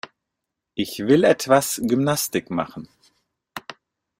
Ich will etwas Gymnastik machen.